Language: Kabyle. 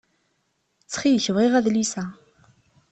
Ttxil-k bɣiɣ adlis-a.